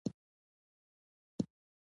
زما کور زما د اوسېدلو وړ نه دی.